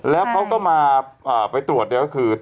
แล้วเขาก็มาไปตรวจเนี่ยก็คือ